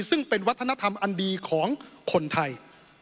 ซึ่งเป็นวัฒนธรรมอันดีของคนไทย